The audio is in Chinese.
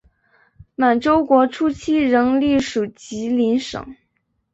满洲国初期仍隶属吉林省。